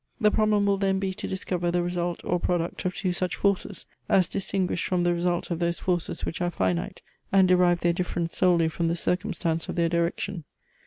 The problem will then be to discover the result or product of two such forces, as distinguished from the result of those forces which are finite, and derive their difference solely from the circumstance of their direction.